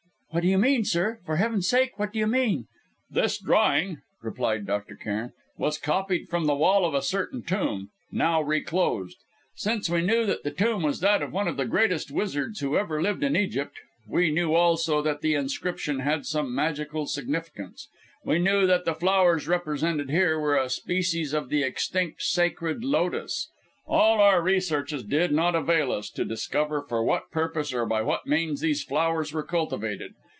"What do you mean, sir? for Heaven's sake, what do you mean?" "This drawing," replied Dr. Cairn, "was copied from the wall of a certain tomb now reclosed. Since we knew that the tomb was that of one of the greatest wizards who ever lived in Egypt, we knew also that the inscription had some magical significance. We knew that the flowers represented here, were a species of the extinct sacred Lotus. All our researches did not avail us to discover for what purpose or by what means these flowers were cultivated.